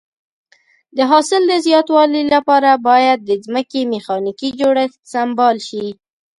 د حاصل د زیاتوالي لپاره باید د ځمکې میخانیکي جوړښت سمبال شي.